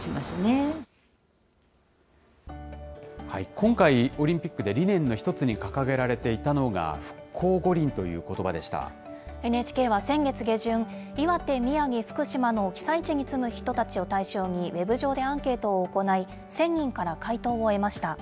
今回、オリンピックで理念の一つに掲げられていたのが、復興五輪というＮＨＫは先月下旬、岩手、宮城、福島の被災地に住む人たちを対象にウェブ上でアンケートを行い、１０００人から回答を得ました。